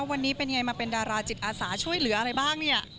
วันนี้เป็นยังไงมาเป็นดาราจิตอาสาช่วยเหลืออะไรบ้างเนี่ย